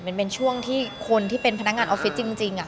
มันเป็นช่วงที่คนที่เป็นพนักงานออฟฟิศจริง